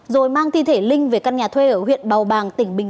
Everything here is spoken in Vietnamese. rồi mang thi thể linh về căn nhà thuê ở huyện bào bàng tỉnh bình